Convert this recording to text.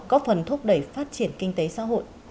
có phần thúc đẩy phát triển kinh tế xã hội